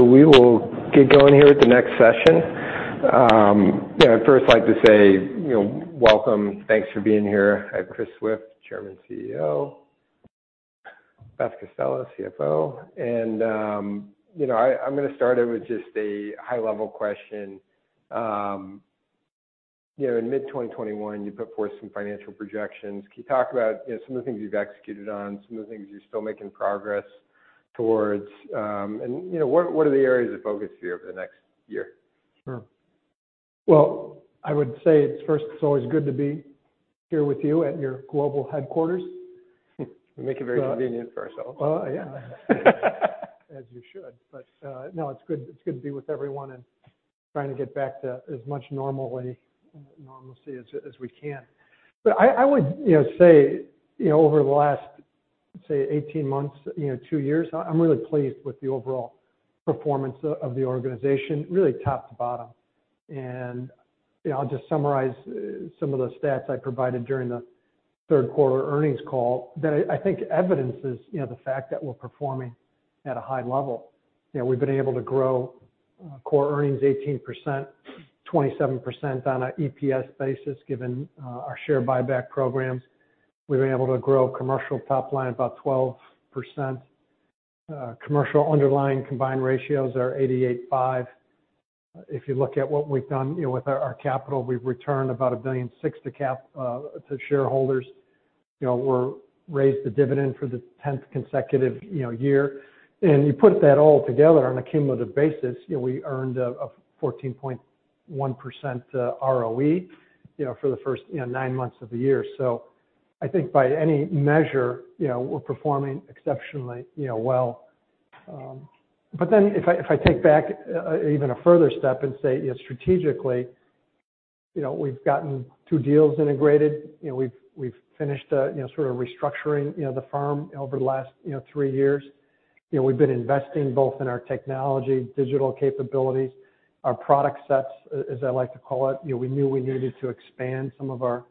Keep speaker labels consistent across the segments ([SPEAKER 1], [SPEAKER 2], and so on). [SPEAKER 1] We will get going here with the next session. I'd first like to say welcome, thanks for being here. I have Chris Swift, Chairman, CEO. Beth Costello, CFO. I'm going to start it with just a high-level question. In mid-2021, you put forth some financial projections. Can you talk about some of the things you've executed on, some of the things you're still making progress towards? What are the areas of focus here for the next year?
[SPEAKER 2] Sure. I would say first, it's always good to be here with you at your global headquarters.
[SPEAKER 1] We make it very convenient for ourselves.
[SPEAKER 2] Yeah. As you should. It's good to be with everyone and trying to get back to as much normalcy as we can. I would say over the last, say, 18 months, two years, I'm really pleased with the overall performance of the organization, really top to bottom. I'll just summarize some of the stats I provided during the third quarter earnings call that I think evidences the fact that we're performing at a high level. We've been able to grow core earnings 18%, 27% on an EPS basis, given our share buyback programs. We've been able to grow commercial top line about 12%. Commercial underlying combined ratios are 88.5. If you look at what we've done with our capital, we've returned about $1.6 billion to shareholders. We raised the dividend for the 10th consecutive year. You put that all together on a cumulative basis, we earned a 14.1% ROE for the first nine months of the year. I think by any measure, we're performing exceptionally well. If I take back even a further step and say strategically, we've gotten two deals integrated. We've finished restructuring the firm over the last three years. We've been investing both in our technology, digital capabilities, our product sets, as I like to call it. We knew we needed to expand some of our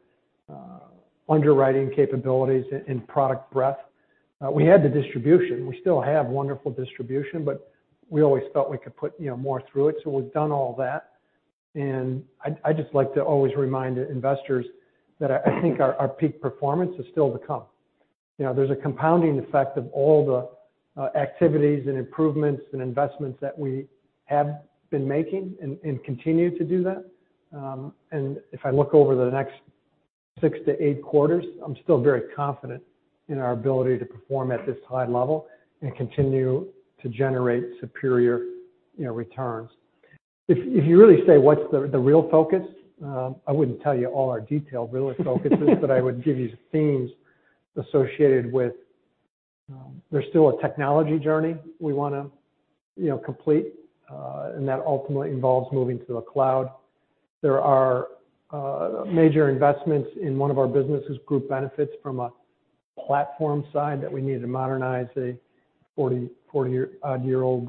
[SPEAKER 2] underwriting capabilities and product breadth. We had the distribution. We still have wonderful distribution, but we always felt we could put more through it. We've done all that, I just like to always remind investors that I think our peak performance is still to come. There's a compounding effect of all the activities and improvements and investments that we have been making, and continue to do that. If I look over the next six to eight quarters, I'm still very confident in our ability to perform at this high level and continue to generate superior returns. If you really say, what's the real focus? I wouldn't tell you all our detailed real focuses, but I would give you themes associated with there's still a technology journey we want to complete, and that ultimately involves moving to the cloud. There are major investments in one of our businesses, Group Benefits, from a platform side that we need to modernize a 40-year-old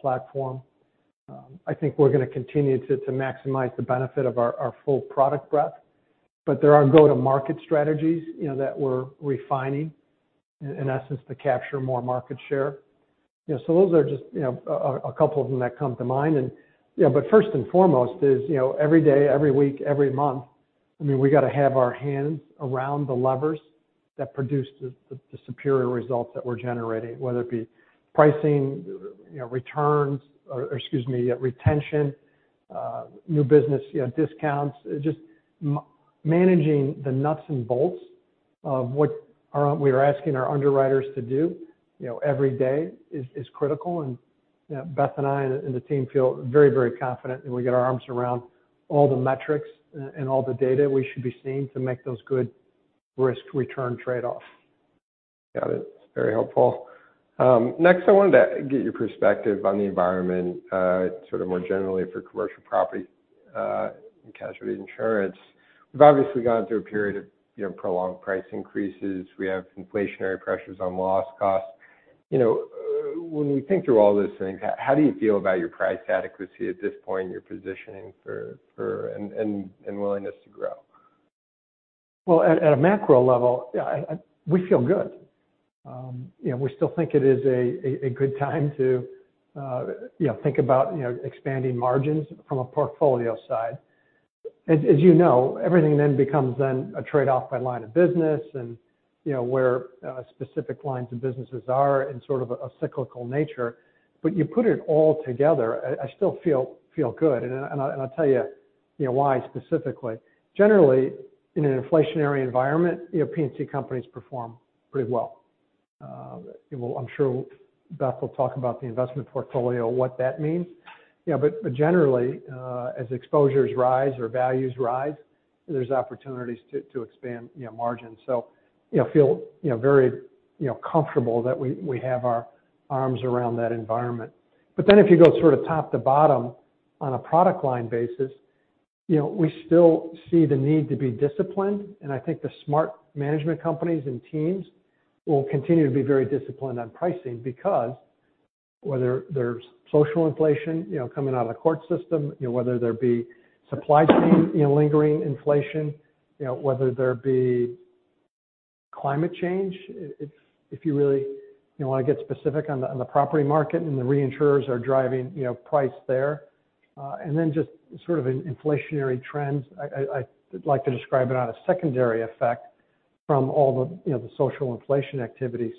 [SPEAKER 2] platform. I think we're going to continue to maximize the benefit of our full product breadth. But there are go-to-market strategies that we're refining, in essence, to capture more market share. Those are just a couple of them that come to mind. First and foremost is every day, every week, every month, we got to have our hands around the levers that produce the superior results that we're generating, whether it be pricing, returns, or excuse me, retention, new business discounts. Just managing the nuts and bolts of what we're asking our underwriters to do every day is critical. Beth and I and the team feel very, very confident that we get our arms around all the metrics and all the data we should be seeing to make those good risk-return trade-offs.
[SPEAKER 1] Got it. That's very helpful. Next, I wanted to get your perspective on the environment, more generally for commercial property and casualty insurance. We've obviously gone through a period of prolonged price increases. We have inflationary pressures on loss costs. When we think through all those things, how do you feel about your price adequacy at this point in your positioning and willingness to grow?
[SPEAKER 2] At a macro level, we feel good. We still think it is a good time to think about expanding margins from a portfolio side. As you know, everything then becomes a trade-off by line of business and where specific lines of businesses are in sort of a cyclical nature. You put it all together, I still feel good, and I'll tell you why specifically. Generally, in an inflationary environment, P&C companies perform pretty well. I'm sure Beth will talk about the investment portfolio, what that means. Generally, as exposures rise or values rise, there's opportunities to expand margins. Feel very comfortable that we have our arms around that environment. If you go top to bottom on a product line basis, we still see the need to be disciplined, and I think the smart management companies and teams will continue to be very disciplined on pricing because whether there's social inflation coming out of the court system, whether there be supply chain lingering inflation, whether there be Climate change, if you really want to get specific on the property market, and the reinsurers are driving price there. Just inflationary trends. I'd like to describe it on a secondary effect from all the social inflation activity.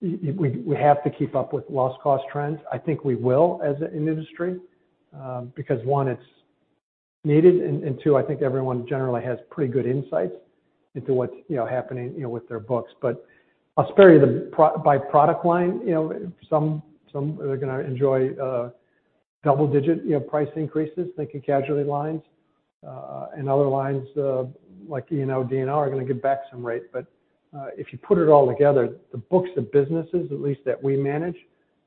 [SPEAKER 2] We have to keep up with loss cost trends. I think we will as an industry because one, it's needed, and two, I think everyone generally has pretty good insights into what's happening with their books. I'll spare you the by product line. Some are going to enjoy double-digit price increases, thinking casualty lines. Other lines, like E&O, D&O, are going to give back some rate. If you put it all together, the books of businesses, at least that we manage,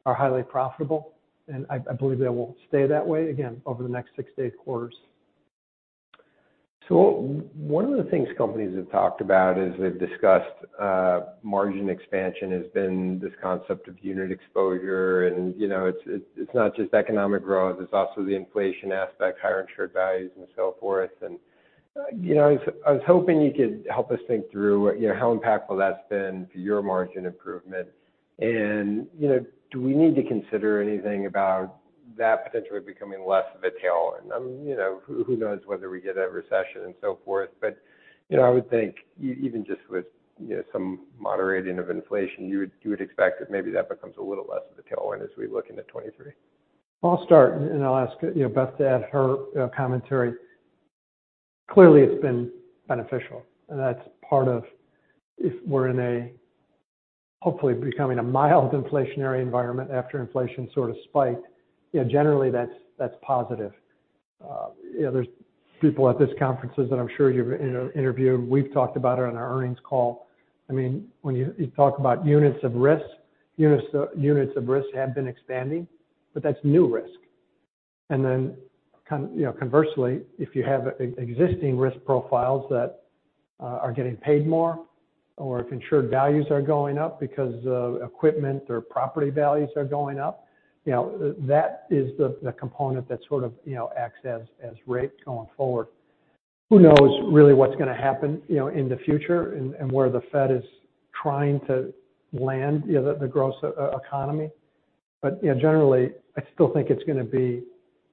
[SPEAKER 2] are highly profitable, and I believe they will stay that way again over the next six to eight quarters.
[SPEAKER 1] One of the things companies have talked about is they've discussed margin expansion has been this concept of unit exposure, it's not just economic growth, it's also the inflation aspect, higher insured values and so forth. I was hoping you could help us think through how impactful that's been for your margin improvement. Do we need to consider anything about that potentially becoming less of a tailwind? Who knows whether we get a recession and so forth, but I would think even just with some moderating of inflation, you would expect that maybe that becomes a little less of a tailwind as we look into 2023.
[SPEAKER 2] I'll start, and I'll ask Beth to add her commentary. Clearly, it's been beneficial. That's part of if we're in a, hopefully becoming a mild inflationary environment after inflation sort of spiked, generally that's positive. There's people at this conference that I'm sure you've interviewed. We've talked about it on our earnings call. When you talk about units of risk, units of risk have been expanding, but that's new risk. Conversely, if you have existing risk profiles that are getting paid more or if insured values are going up because of equipment or property values are going up, that is the component that sort of acts as rates going forward. Who knows really what's going to happen in the future and where the Fed is trying to land the gross economy. Generally, I still think it's going to be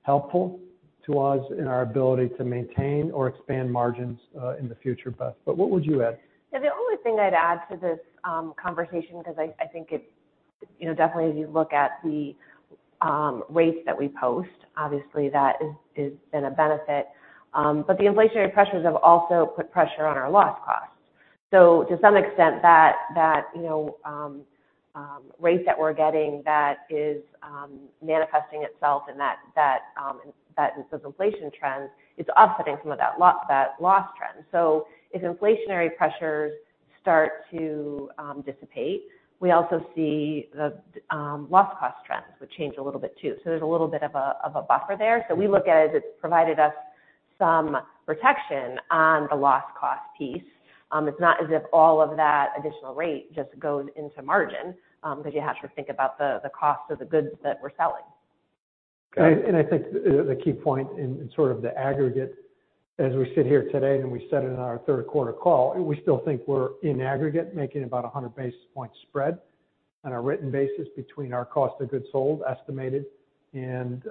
[SPEAKER 2] helpful to us in our ability to maintain or expand margins in the future. Beth, what would you add?
[SPEAKER 3] The only thing I'd add to this conversation because I think it's definitely as you look at the rates that we post, obviously that has been a benefit. The inflationary pressures have also put pressure on our loss costs. To some extent that rate that we're getting that is manifesting itself in those inflation trends is offsetting some of that loss trend. If inflationary pressures start to dissipate, we also see the loss cost trends would change a little bit too. There's a little bit of a buffer there. We look at it as it's provided us some protection on the loss cost piece. It's not as if all of that additional rate just goes into margin because you have to think about the cost of the goods that we're selling.
[SPEAKER 2] I think the key point in sort of the aggregate as we sit here today, and we said it in our third quarter call, we still think we're in aggregate, making about 100 basis points spread on a written basis between our cost of goods sold estimated and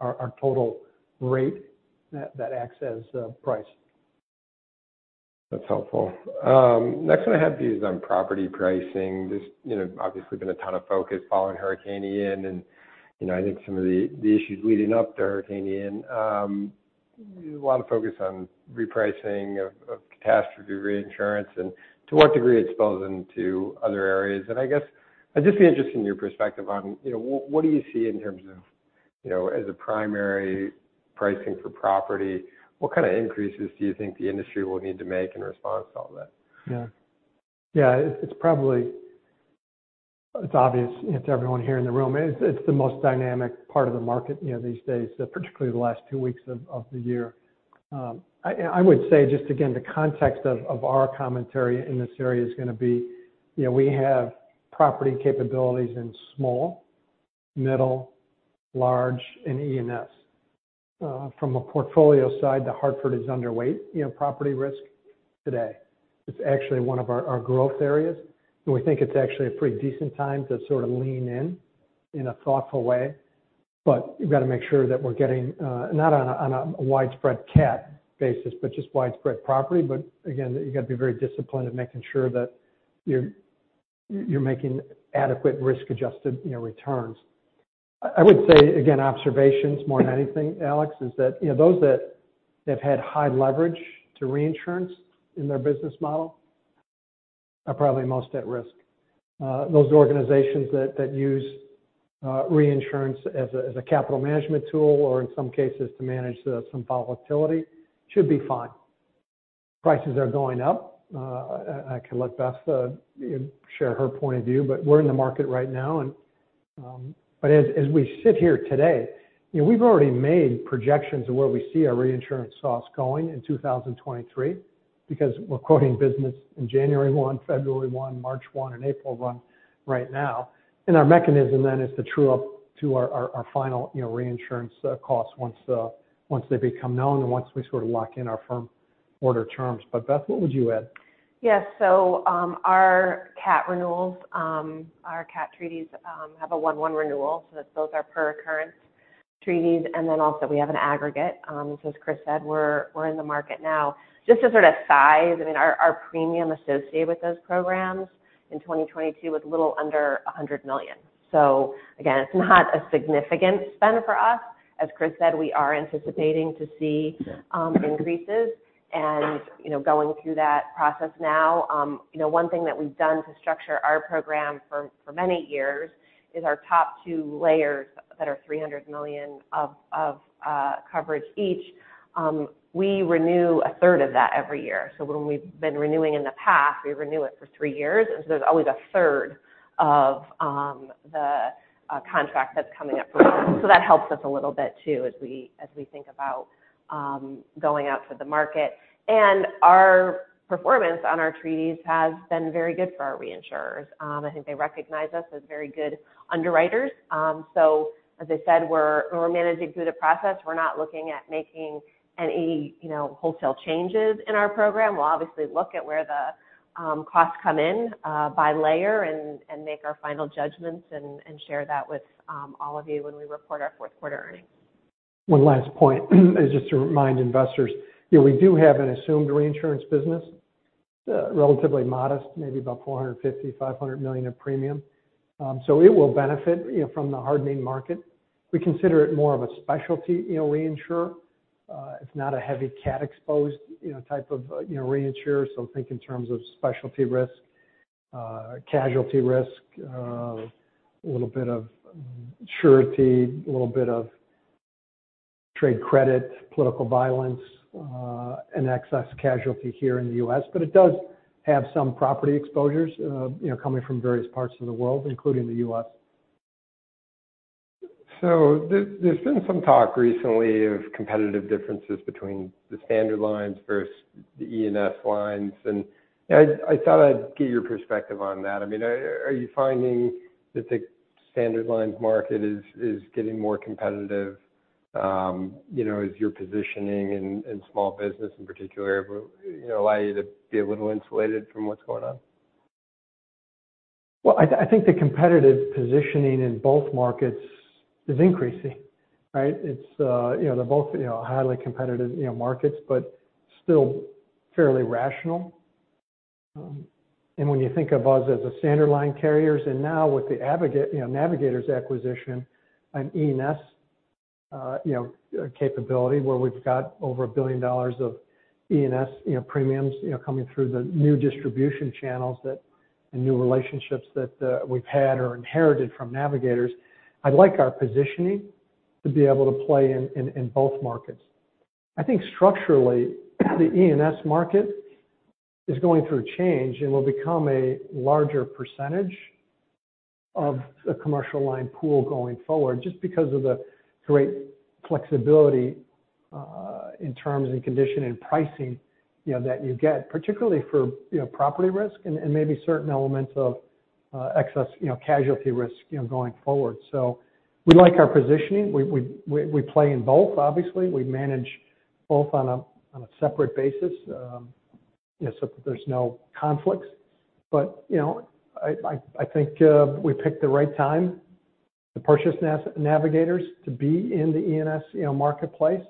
[SPEAKER 2] our total rate that acts as price.
[SPEAKER 1] That's helpful. Next one I have to you is on property pricing. There's obviously been a ton of focus following Hurricane Ian, and I think some of the issues leading up to Hurricane Ian. A lot of focus on repricing of catastrophe reinsurance and to what degree it spills into other areas. I guess I'd just be interested in your perspective on what do you see in terms of as a primary pricing for property, what kind of increases do you think the industry will need to make in response to all that?
[SPEAKER 2] Yeah. It's probably obvious to everyone here in the room. It's the most dynamic part of the market these days, particularly the last two weeks of the year. I would say just again, the context of our commentary in this area is going to be we have property capabilities in small, middle, large, and E&S. From a portfolio side, The Hartford is underweight property risk today. It's actually one of our growth areas, and we think it's actually a pretty decent time to sort of lean in in a thoughtful way. You've got to make sure that we're getting, not on a widespread cat basis, but just widespread property. Again, you've got to be very disciplined in making sure that you're making adequate risk-adjusted returns. I would say, again, observations more than anything, Alex, is that those that have had high leverage to reinsurance in their business model are probably most at risk. Those organizations that use reinsurance as a capital management tool or in some cases to manage some volatility should be fine. Prices are going up. I can let Beth share her point of view, we're in the market right now. As we sit here today, we've already made projections of where we see our reinsurance source going in 2023 because we're quoting business in January 1, February 1, March 1, and April 1 right now. Our mechanism then is to true up to our final reinsurance costs once they become known and once we sort of lock in our firm order terms. Beth, what would you add?
[SPEAKER 3] Yes. Our cat renewals, our cat treaties have a one-one renewal, so those are per occurrence treaties. Then also we have an aggregate. As Chris said, we're in the market now. Just to sort of size, our premium associated with those programs in 2022 was a little under $100 million. Again, it's not a significant spend for us. As Chris said, we are anticipating to see increases and going through that process now. One thing that we've done to structure our program for many years is our top two layers that are $300 million of coverage each, we renew a third of that every year. When we've been renewing in the past, we renew it for three years. There's always a third of the contract that's coming up for renewal. That helps us a little bit too, as we think about going out for the market. Our performance on our treaties has been very good for our reinsurers. I think they recognize us as very good underwriters. As I said, we're managing through the process. We're not looking at making any wholesale changes in our program. We'll obviously look at where the costs come in by layer and make our final judgments and share that with all of you when we report our fourth quarter earnings.
[SPEAKER 2] One last point is just to remind investors, we do have an assumed reinsurance business, relatively modest, maybe about $450 million-$500 million of premium. It will benefit from the hardening market. We consider it more of a specialty reinsurer. It's not a heavy cat-exposed type of reinsurer, so think in terms of specialty risk, casualty risk, a little bit of surety, a little bit of trade credit, political violence, and excess casualty here in the U.S. It does have some property exposures coming from various parts of the world, including the U.S.
[SPEAKER 1] There's been some talk recently of competitive differences between the standard lines versus the E&S lines, and I thought I'd get your perspective on that. Are you finding that the standard lines market is getting more competitive? Is your positioning in small business in particular allow you to be a little insulated from what's going on?
[SPEAKER 2] Well, I think the competitive positioning in both markets is increasing, right? They're both highly competitive markets, but still fairly rational. When you think of us as a standard line carriers, and now with the Navigators acquisition an E&S capability where we've got over $1 billion of E&S premiums coming through the new distribution channels that, and new relationships that we've had or inherited from Navigators, I'd like our positioning to be able to play in both markets. I think structurally, the E&S market is going through a change and will become a larger percentage of the commercial line pool going forward, just because of the great flexibility in terms and condition and pricing that you get, particularly for property risk and maybe certain elements of excess casualty risk going forward. We like our positioning. We play in both obviously. We manage both on a separate basis so that there's no conflicts. I think we picked the right time to purchase Navigators to be in the E&S marketplace,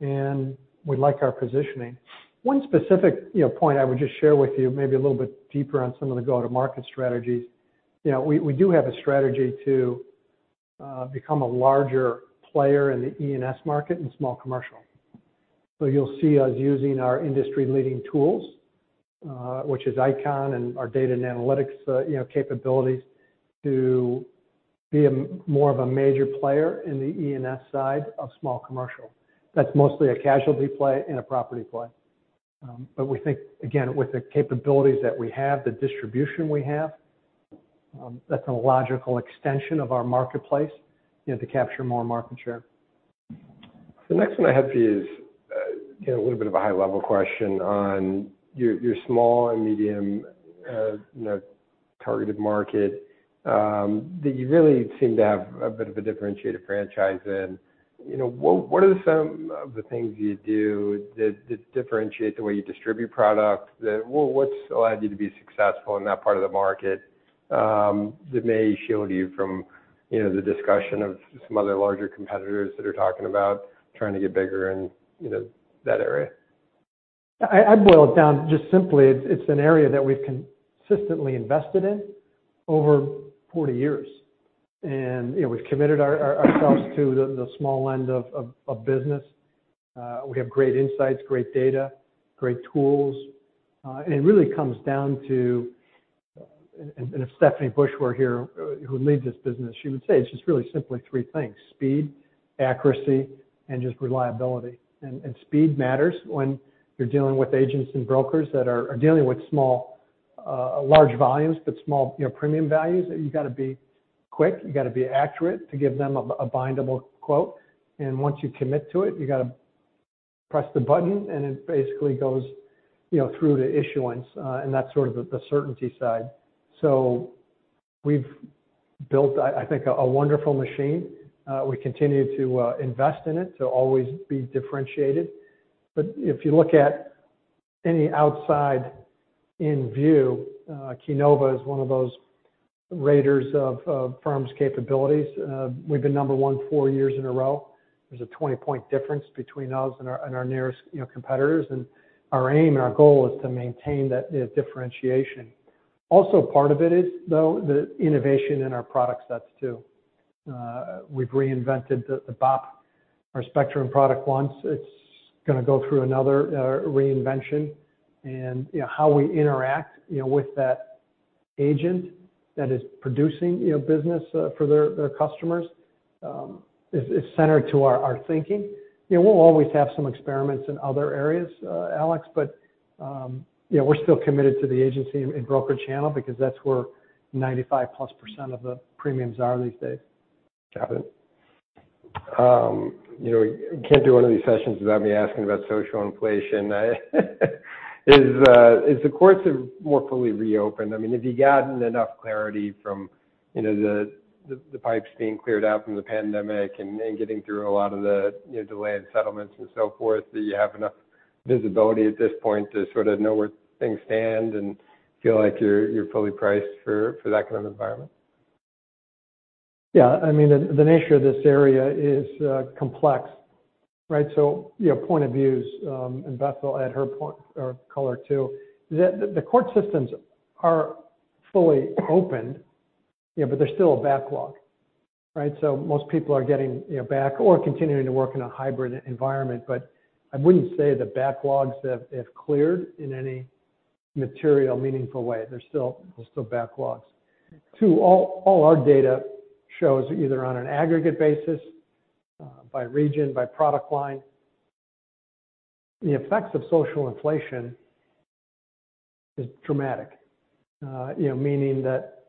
[SPEAKER 2] and we like our positioning. One specific point I would just share with you, maybe a little bit deeper on some of the go-to-market strategies. We do have a strategy to become a larger player in the E&S market in small commercial. You'll see us using our industry-leading tools, which is ICON and our data and analytics capabilities to be more of a major player in the E&S side of small commercial. That's mostly a casualty play and a property play. We think, again, with the capabilities that we have, the distribution we have, that's a logical extension of our marketplace to capture more market share.
[SPEAKER 1] The next one I have for you is a little bit of a high-level question on your small and medium targeted market, that you really seem to have a bit of a differentiated franchise in. What are some of the things you do that differentiate the way you distribute product, that what's allowed you to be successful in that part of the market that may shield you from the discussion of some other larger competitors that are talking about trying to get bigger in that area?
[SPEAKER 2] I boil it down just simply, it's an area that we've consistently invested in over 40 years, and we've committed ourselves to the small end of business. We have great insights, great data, great tools. It really comes down to, and if Stephanie Bush were here who leads this business, she would say it's just really simply three things, speed, accuracy, and just reliability. Speed matters when you're dealing with agents and brokers that are dealing with large volumes, but small premium values. You got to be quick, you got to be accurate to give them a bindable quote. Once you commit to it, you got to press the button, and it basically goes through to issuance. That's sort of the certainty side. Built, I think, a wonderful machine. We continue to invest in it to always be differentiated. If you look at any outside-in view, Celent is one of those raters of firms' capabilities. We've been number one four years in a row. There's a 20-point difference between us and our nearest competitors, and our aim and our goal is to maintain that differentiation. Also part of it is, though, the innovation in our product sets, too. We've reinvented the BOP, our Spectrum product once. It's going to go through another reinvention. How we interact with that agent that is producing business for their customers is centered to our thinking. We'll always have some experiments in other areas, Alex, but we're still committed to the agency and broker channel because that's where 95-plus% of the premiums are these days.
[SPEAKER 1] Got it. You can't do one of these sessions without me asking about social inflation. As the courts have more fully reopened, have you gotten enough clarity from the pipes being cleared out from the pandemic and getting through a lot of the delayed settlements and so forth, that you have enough visibility at this point to sort of know where things stand and feel like you're fully priced for that kind of environment?
[SPEAKER 2] Yeah. The nature of this area is complex, right? Point of views, and Beth will add her color, too. The court systems are fully opened, but there's still a backlog, right? Most people are getting back or continuing to work in a hybrid environment. I wouldn't say the backlogs have cleared in any material meaningful way. There's still backlogs. 2, all our data shows either on an aggregate basis by region, by product line, the effects of social inflation is dramatic. Meaning that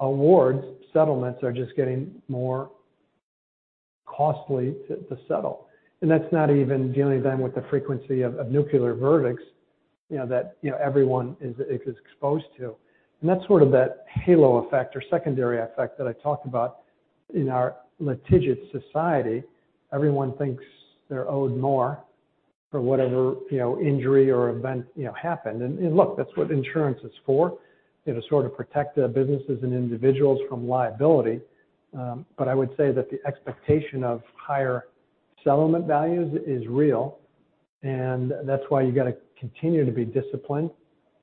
[SPEAKER 2] awards settlements are just getting more costly to settle. That's not even dealing then with the frequency of nuclear verdicts that everyone is exposed to. That's sort of that halo effect or secondary effect that I talked about in our litigious society. Everyone thinks they're owed more for whatever injury or event happened. Look, that's what insurance is for, to sort of protect businesses and individuals from liability. I would say that the expectation of higher settlement values is real, and that's why you got to continue to be disciplined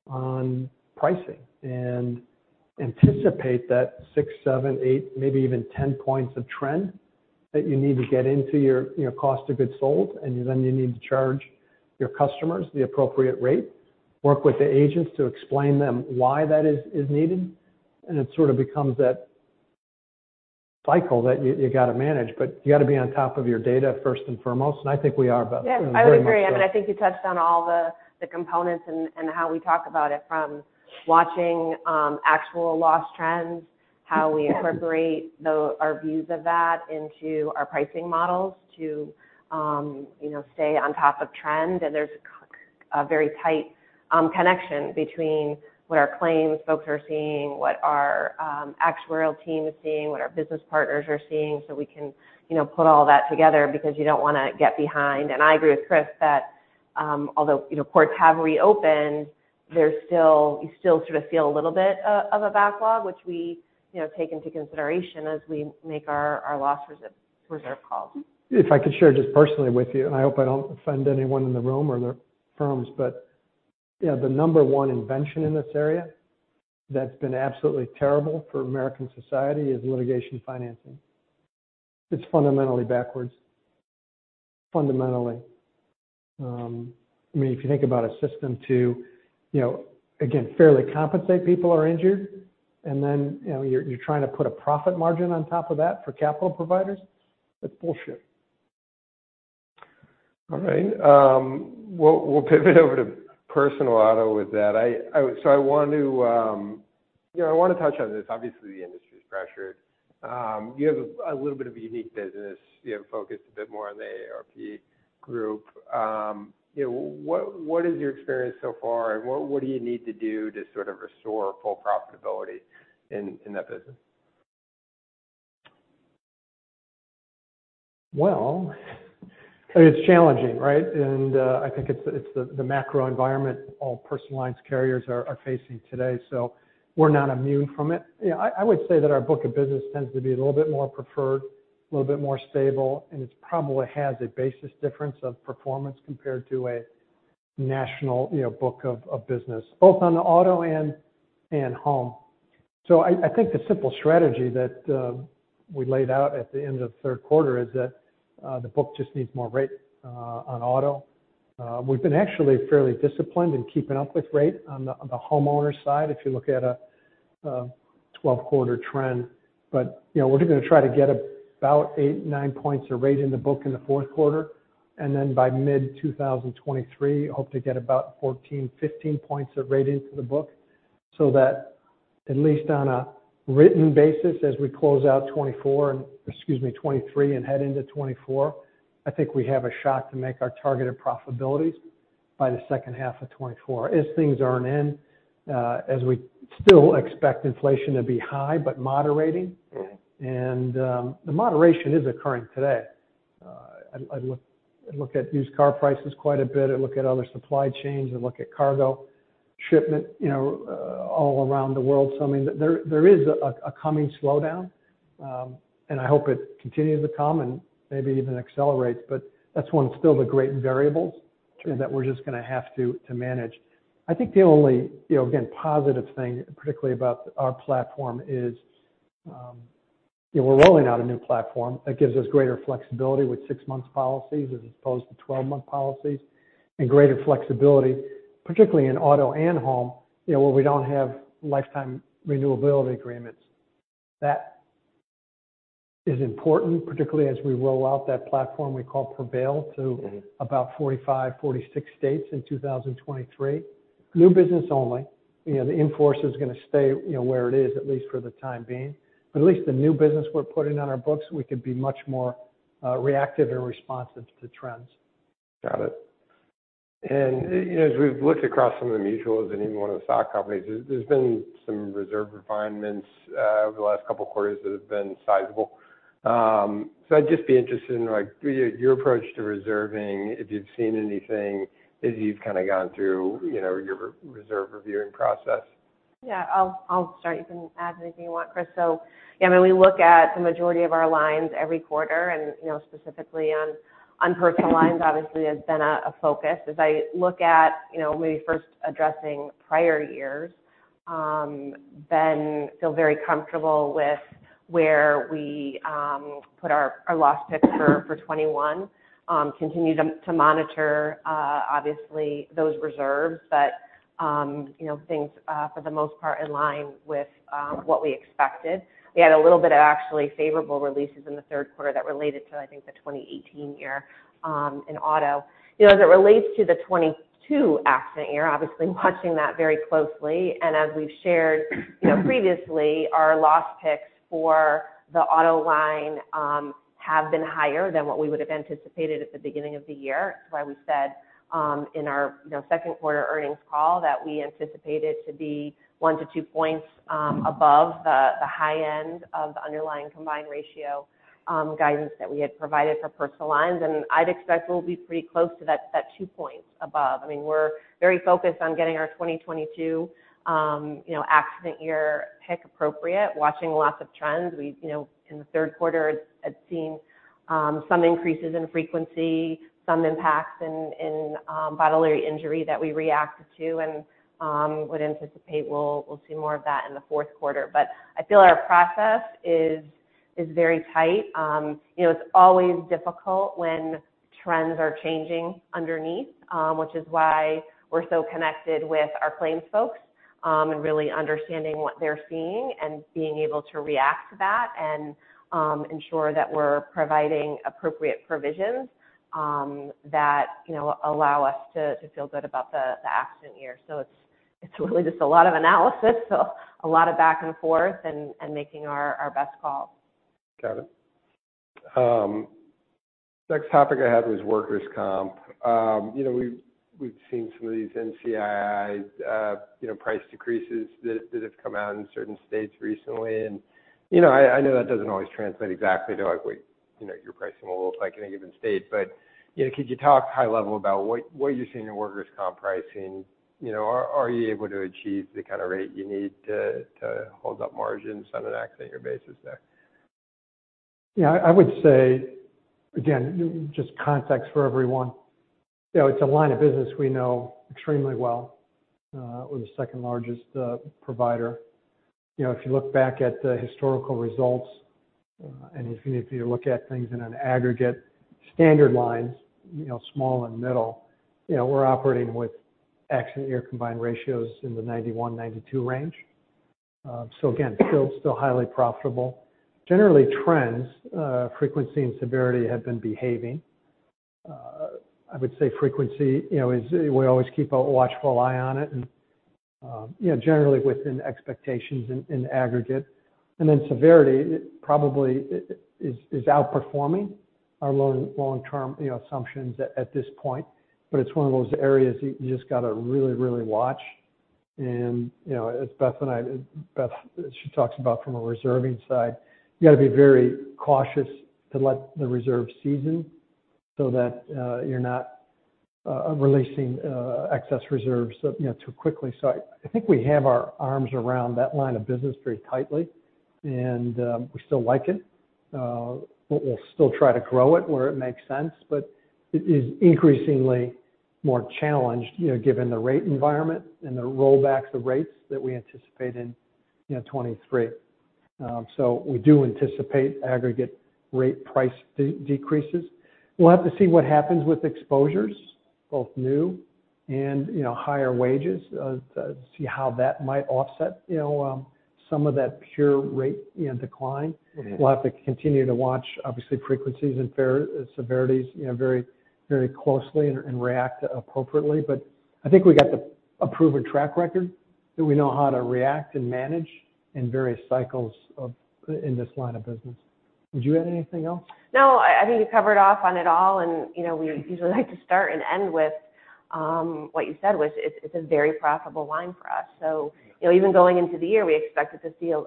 [SPEAKER 2] on pricing and anticipate that six, seven, eight, maybe even 10 points of trend that you need to get into your cost of goods sold. You need to charge your customers the appropriate rate, work with the agents to explain them why that is needed, and it sort of becomes that cycle that you got to manage. You got to be on top of your data first and foremost, and I think we are, Beth.
[SPEAKER 3] Yes, I would agree. I think you touched on all the components and how we talk about it from watching actual loss trends, how we incorporate our views of that into our pricing models to stay on top of trend. There's a very tight connection between what our claims folks are seeing, what our actuarial team is seeing, what our business partners are seeing, so we can put all that together because you don't want to get behind. I agree with Chris that although courts have reopened, you still sort of feel a little bit of a backlog, which we take into consideration as we make our loss reserve calls.
[SPEAKER 2] If I could share just personally with you, and I hope I don't offend anyone in the room or their firms, but the number 1 invention in this area that's been absolutely terrible for American society is litigation financing. It's fundamentally backwards. Fundamentally. If you think about a system to, again, fairly compensate people who are injured, and then you're trying to put a profit margin on top of that for capital providers, that's bullshit.
[SPEAKER 1] All right. We'll pivot over to personal auto with that. I want to touch on this. Obviously, the industry's pressured. You have a little bit of a unique business. You have focused a bit more on the AARP group. What is your experience so far, and what do you need to do to sort of restore full profitability in that business?
[SPEAKER 2] Well, it's challenging, right? I think it's the macro environment all personal lines carriers are facing today, so we're not immune from it. I would say that our book of business tends to be a little bit more preferred, a little bit more stable, and it probably has a basis difference of performance compared to a national book of business, both on the auto and home. I think the simple strategy that we laid out at the end of third quarter is that the book just needs more rate on auto. We've been actually fairly disciplined in keeping up with rate on the homeowner side, if you look at a 12-quarter trend. We're going to try to get about eight, nine points of rate in the book in the fourth quarter, and then by mid-2023, hope to get about 14, 15 points of rate into the book so that at least on a written basis, as we close out 2024 excuse me, 2023 and head into 2024, I think we have a shot to make our targeted profitabilities By the second half of 2024. As things earn in, as we still expect inflation to be high but moderating.
[SPEAKER 1] Okay.
[SPEAKER 2] The moderation is occurring today. I look at used car prices quite a bit. I look at other supply chains. I look at cargo shipment all around the world. There is a coming slowdown, and I hope it continues to come and maybe even accelerates, but that's one still the great variables.
[SPEAKER 1] Sure
[SPEAKER 2] That we're just going to have to manage. I think the only, again, positive thing, particularly about our platform is we're rolling out a new platform that gives us greater flexibility with six-month policies as opposed to 12-month policies, and greater flexibility, particularly in auto and home, where we don't have lifetime renewability agreements. That is important, particularly as we roll out that platform we call Prevail to. About 45, 46 states in 2023. New business only. The in-force is going to stay where it is, at least for the time being. At least the new business we're putting on our books, we could be much more reactive and responsive to trends.
[SPEAKER 1] Got it. As we've looked across some of the mutuals and even one of the stock companies, there's been some reserve refinements over the last couple quarters that have been sizable. I'd just be interested in your approach to reserving, if you've seen anything as you've gone through your reserve reviewing process.
[SPEAKER 3] I'll start. You can add anything you want, Chris. We look at the majority of our lines every quarter and, specifically on personal lines obviously has been a focus. As I look at maybe first addressing prior years, I feel very comfortable with where we put our loss picks for 2021. Continue to monitor, obviously, those reserves, but things, for the most part, in line with what we expected. We had a little bit of actually favorable releases in the third quarter that related to, I think, the 2018 year in auto. As it relates to the 2022 accident year, obviously watching that very closely, and as we've shared previously, our loss picks for the auto line have been higher than what we would've anticipated at the beginning of the year. It's why we said in our second quarter earnings call that we anticipated to be 1-2 points above the high end of the underlying combined ratio guidance that we had provided for personal lines. I'd expect we'll be pretty close to that 2 points above. We're very focused on getting our 2022 accident year pick appropriate, watching lots of trends. We've, in the third quarter, had seen some increases in frequency, some impacts in bodily injury that we reacted to, and would anticipate we'll see more of that in the fourth quarter. I feel our process is very tight. It's always difficult when trends are changing underneath, which is why we're so connected with our claims folks, and really understanding what they're seeing and being able to react to that and ensure that we're providing appropriate provisions that allow us to feel good about the accident year. It's really just a lot of analysis, a lot of back and forth and making our best calls.
[SPEAKER 1] Got it. Next topic I had was workers' compensation. We've seen some of these NCCI price decreases that have come out in certain states recently, and I know that doesn't always translate exactly to what your pricing will look like in a given state. Could you talk high level about what you're seeing in workers' compensation pricing? Are you able to achieve the kind of rate you need to hold up margins on an accident year basis there?
[SPEAKER 2] Yeah, I would say, again, just context for everyone. It's a line of business we know extremely well. We're the second-largest provider. If you look back at the historical results, and if you look at things in an aggregate standard lines, small and middle, we're operating with accident year combined ratios in the 91-92 range. Again, still highly profitable. Generally trends, frequency and severity have been behaving. I would say frequency, we always keep a watchful eye on it, and generally within expectations in aggregate. Then severity probably is outperforming our long-term assumptions at this point. It's one of those areas you just got to really, really watch. And as Beth, she talks about from a reserving side, you've got to be very cautious to let the reserve season so that you're not releasing excess reserves too quickly. I think we have our arms around that line of business very tightly, and we still like it. We'll still try to grow it where it makes sense, but it is increasingly more challenged, given the rate environment and the rollbacks of rates that we anticipate in 2023. We do anticipate aggregate rate price decreases. We'll have to see what happens with exposures, both new and higher wages, to see how that might offset some of that pure rate decline.
[SPEAKER 1] Okay.
[SPEAKER 2] We'll have to continue to watch, obviously, frequencies and severities very closely and react appropriately. I think we got a proven track record that we know how to react and manage in various cycles in this line of business. Did you add anything else?
[SPEAKER 3] No, I think you've covered off on it all, and we usually like to start and end with what you said, which is it's a very profitable line for us. Even going into the year, we expected to see a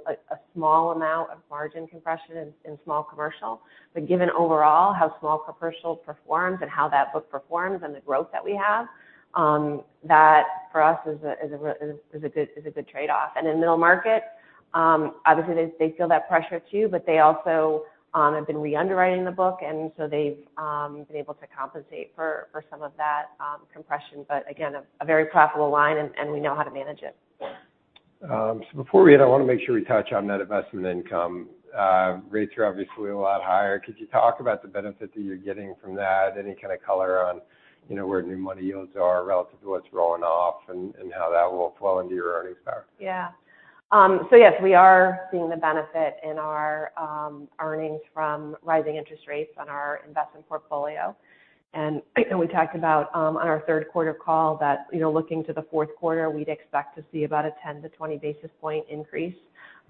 [SPEAKER 3] small amount of margin compression in small commercial. Given overall how small commercial performs and how that book performs and the growth that we have, that for us is a good trade-off. In middle market, obviously, they feel that pressure, too, but they also have been re-underwriting the book, so they've been able to compensate for some of that compression. Again, a very profitable line, and we know how to manage it.
[SPEAKER 2] Yeah.
[SPEAKER 1] Before we end, I want to make sure we touch on net investment income. Rates are obviously a lot higher. Could you talk about the benefit that you're getting from that? Any kind of color on where new money yields are relative to what's rolling off and how that will flow into your earnings there?
[SPEAKER 3] Yes, we are seeing the benefit in our earnings from rising interest rates on our investment portfolio. We talked about on our third quarter call that looking to the fourth quarter, we'd expect to see about a 10 to 20 basis point increase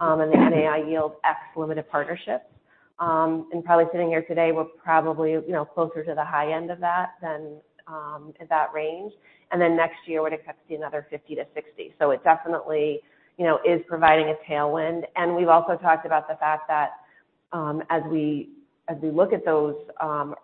[SPEAKER 3] in NII yield ex limited partnerships. Probably sitting here today, we're probably closer to the high end of that range. Next year, we'd expect to see another 50 to 60. It definitely is providing a tailwind. We've also talked about the fact that as we look at those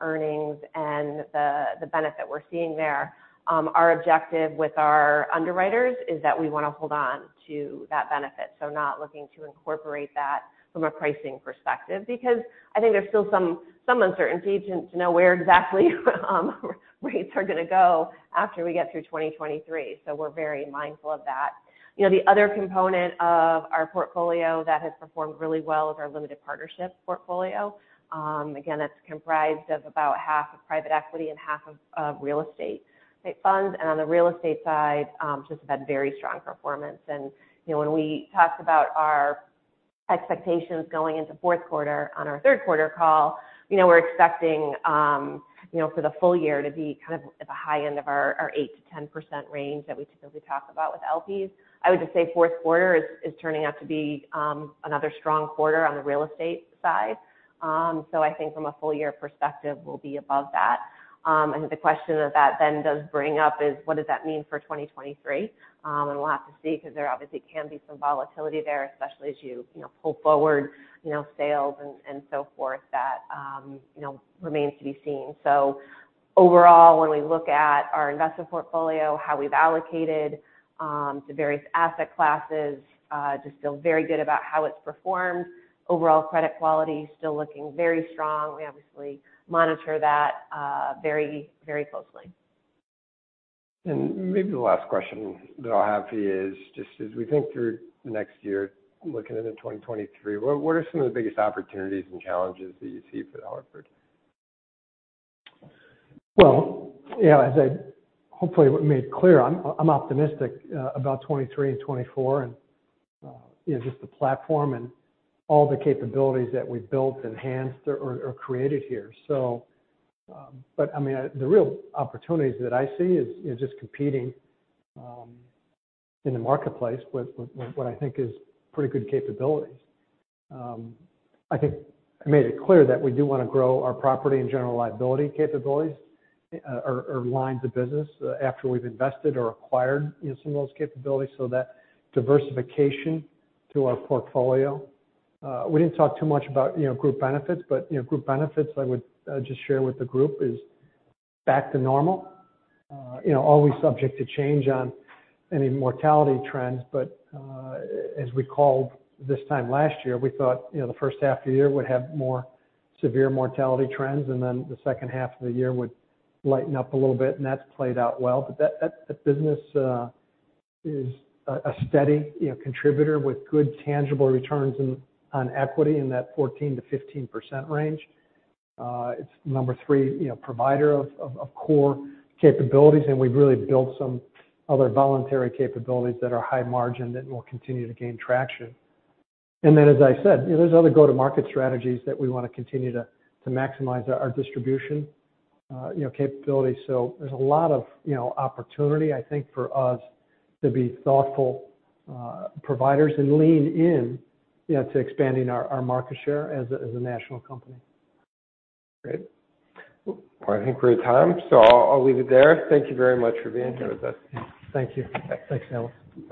[SPEAKER 3] earnings and the benefit we're seeing there, our objective with our underwriters is that we want to hold on to that benefit. Not looking to incorporate that from a pricing perspective, because I think there's still some uncertainty to know where exactly rates are going to go after we get through 2023. We're very mindful of that. The other component of our portfolio that has performed really well is our limited partnership portfolio. Again, that's comprised of about half of private equity and half of real estate funds. On the real estate side, just have had very strong performance. When we talked about our expectations going into fourth quarter on our third quarter call, we're expecting for the full year to be at the high end of our 8%-10% range that we typically talk about with LPs. I would just say fourth quarter is turning out to be another strong quarter on the real estate side. I think from a full year perspective, we'll be above that. I think the question that then does bring up is what does that mean for 2023? We'll have to see, because there obviously can be some volatility there, especially as you pull forward sales and so forth that remains to be seen. Overall, when we look at our investment portfolio, how we've allocated to various asset classes, just feel very good about how it's performed. Overall credit quality is still looking very strong. We obviously monitor that very closely.
[SPEAKER 1] Maybe the last question that I'll have for you is just as we think through the next year, looking into 2023, what are some of the biggest opportunities and challenges that you see for The Hartford?
[SPEAKER 2] Yeah, as I hopefully made clear, I'm optimistic about 2023 and 2024, and just the platform and all the capabilities that we've built, enhanced, or created here. The real opportunities that I see is just competing in the marketplace with what I think is pretty good capabilities. I think I made it clear that we do want to grow our property and general liability capabilities or lines of business after we've invested or acquired some of those capabilities, so that diversification to our portfolio. We didn't talk too much about Group Benefits, but Group Benefits I would just share with the group is back to normal. Always subject to change on any mortality trends, as we called this time last year, we thought the first half of the year would have more severe mortality trends, then the second half of the year would lighten up a little bit, and that's played out well. That business is a steady contributor with good tangible returns on equity in that 14%-15% range. It's the number 3 provider of core capabilities, and we've really built some other voluntary capabilities that are high margin that will continue to gain traction. As I said, there's other go-to-market strategies that we want to continue to maximize our distribution capabilities. There's a lot of opportunity, I think, for us to be thoughtful providers and lean in to expanding our market share as a national company.
[SPEAKER 1] Great. I think we're at time, I'll leave it there. Thank you very much for being here with us.
[SPEAKER 2] Thank you. Thanks, Alex.